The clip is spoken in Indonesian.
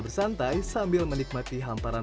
bersantai sambil menikmati hamparan